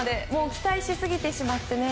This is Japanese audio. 期待しすぎてしまってね。